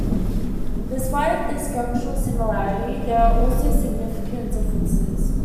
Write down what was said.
Despite this structural similarity, there are also significant differences.